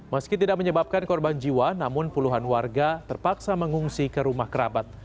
meski tidak menyebabkan korban jiwa namun puluhan warga terpaksa mengungsi ke rumah kerabat